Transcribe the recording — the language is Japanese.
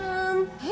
えっ？